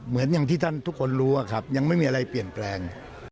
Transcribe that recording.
อย่างที่ท่านทุกคนรู้อะครับยังไม่มีอะไรเปลี่ยนแปลง